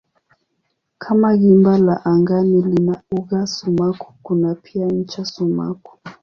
Kama gimba la angani lina uga sumaku kuna pia ncha sumaku.